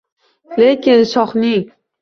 Lekin shohning